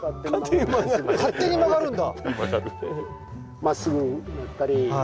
勝手に曲がるんだ。